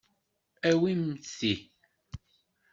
Awimt ti.